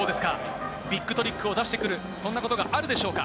ビッグトリックを出してくる、そんなことがあるでしょうか。